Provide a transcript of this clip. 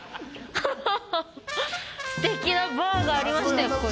すてきなバーがありましたよ